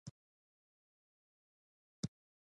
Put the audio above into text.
یوازې د سوداګریز ماموریت لپاره جوړېده